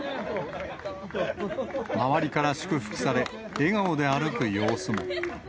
周りから祝福され、笑顔で歩く様子も。